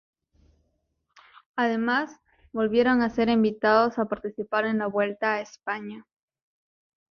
Además volvieron a ser invitados a participar en la Vuelta a España.